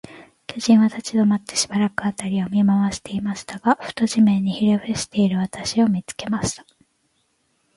巨人は立ちどまって、しばらく、あたりを見まわしていましたが、ふと、地面にひれふしている私を、見つけました。